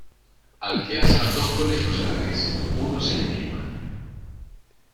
Al que asa dos conejos a la vez, uno se le quema.